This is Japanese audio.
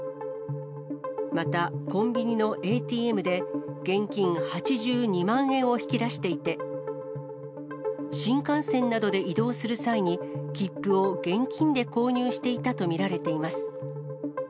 また、コンビニのＡＴＭで、現金８２万円を引き出していて、新幹線などで移動する際に、切符を現金で購入していたと見られています。